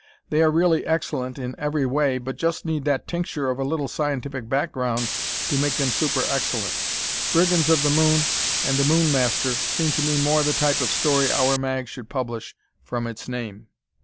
They are really excellent in every way but just need that tincture of a little scientific background to make them super excellent. "Brigands of the Moon" and "The Moon Master" seem to me more the type of story "our mag" should publish, from its name.